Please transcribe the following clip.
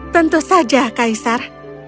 tentu saja kaisar